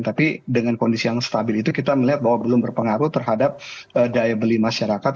tapi dengan kondisi yang stabil itu kita melihat bahwa belum berpengaruh terhadap daya beli masyarakat